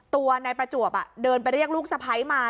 ตัวนายประจวบเดินไปเรียกลูกสะพ้ายมา